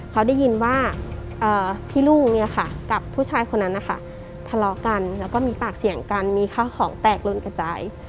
เขาได้ยินว่าพี่ลูกเนี่ยค่ะกับผู้ชายคนนั้นนะคะทะเลาะกันแล้วก็มีปากเสียงกันมีข้าวของแตกลนกระจาย